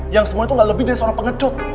yang semua itu gak lebih dari suara pengecut